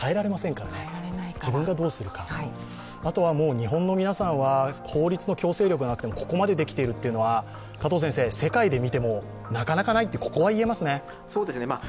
日本の皆さんは法律の強制力がなくここまでできているっていうのは、加藤先生、世界で見てもなかなかないと言えますね。